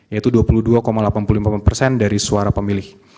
yaitu dua puluh dua delapan puluh lima persen dari suara pemilih